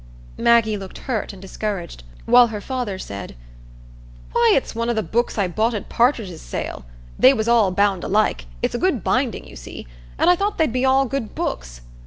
Maggie looked hurt and discouraged, while her father said,— "Why, it's one o' the books I bought at Partridge's sale. They was all bound alike,—it's a good binding, you see,—and I thought they'd be all good books.